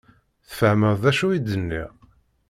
Tfehmeḍ d acu i d-nniɣ?